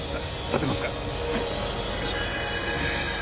立てますか？